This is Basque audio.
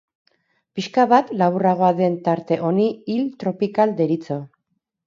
Pixka bat laburragoa den tarte honi hil tropikal deritzo.